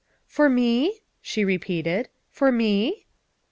''" For me?" she repeated, " for me?"